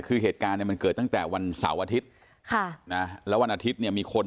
คือเหตุการณ์เนี่ยมันเกิดตั้งแต่วันเสาร์อาทิตย์ค่ะนะแล้ววันอาทิตย์เนี่ยมีคน